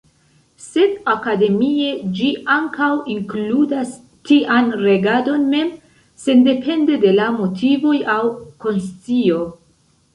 Sed akademie, ĝi ankaŭ inkludas tian regadon mem, sendepende de la motivoj aŭ konscio.